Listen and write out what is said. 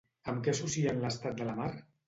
Amb què associen l'estat de la mar?